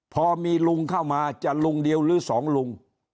พอมีลุงเข้ามาจะลุงเดียวหรือสองลุง